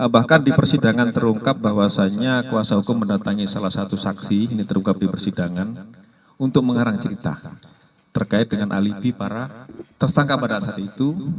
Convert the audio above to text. bahkan di persidangan terungkap bahwasannya kuasa hukum mendatangi salah satu saksi ini terungkap di persidangan untuk mengarang cerita terkait dengan alibi para tersangka pada saat itu